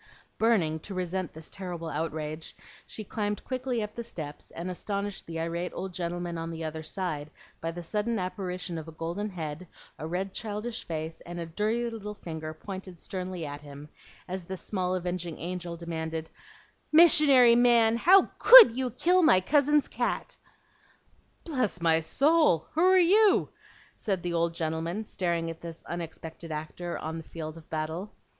Burning to resent this terrible outrage, she climbed quickly up the steps, and astonished the irate old gentleman on the other side by the sudden apparition of a golden head, a red childish face, and a dirty little finger pointed sternly at him, as this small avenging angel demanded, "Missionary man, how COULD you kill my cousin's cat?" "Bless my soul! who are you?" said the old gentleman, staring at this unexpected actor on the field of battle.